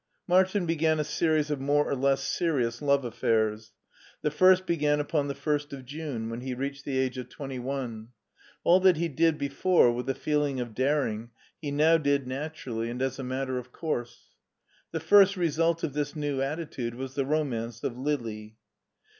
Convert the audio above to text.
Martin began a series of more or less serious love affairs. The first began upon the first of June, when he reached the age of twenty one. All that he did before with a feeling of daring he now did naturally and as a matter of course. The first result of this new attitude was the Romance of Lili.